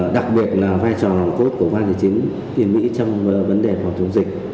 đặc biệt là vai trò đồng cốt của quan hệ chính tiền mỹ trong vấn đề phòng chống dịch